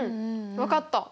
分かった！